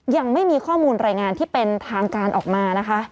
ยังไม่มีข้อมูลรายงานที่เป็นทางการออกมานะคะ